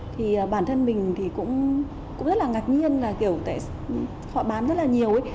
thì bản thân mình thì cũng rất là ngạc nhiên là kiểu họ bán rất là nhiều